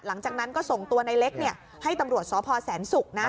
หลังจากนั้นก็ส่งตัวในเล็กให้ตำรวจสพแสนศุกร์นะ